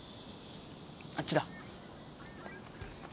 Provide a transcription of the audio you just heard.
あっちだ！